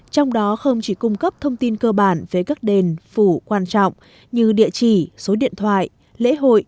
trong đó không chỉ cung cấp thông tin cơ bản về các đền phủ quan trọng như địa chỉ số điện thoại lễ hội